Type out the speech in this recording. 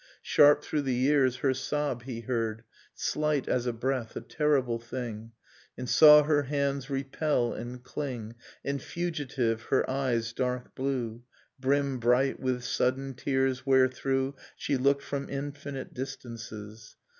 Sharp through the years her sob he heard, Slight as a breath, a terrible thing, And saw her hands repel and cling, And, fugitive, her eyes, dark blue. Brim bright with sudden tears, wherethrough She looked from infinite distances.